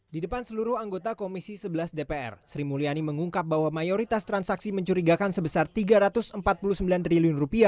di depan seluruh anggota komisi sebelas dpr sri mulyani mengungkap bahwa mayoritas transaksi mencurigakan sebesar rp tiga ratus empat puluh sembilan triliun